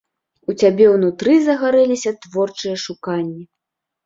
У цябе ўнутры загарэліся творчыя шуканні.